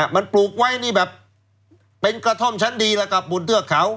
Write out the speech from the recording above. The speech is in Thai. มันปลูกไว้นี่แบบเป็นกระท่อมชั้นดีแล้วกับบนเทือกเขา